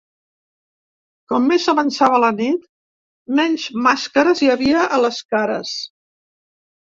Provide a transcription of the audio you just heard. Com més avançava la nit, menys màscares hi havia a les cares.